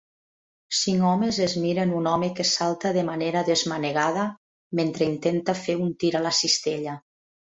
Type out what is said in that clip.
Cinc homes es miren un home que salta de manera desmanegada mentre intenta fer un tir a la cistella.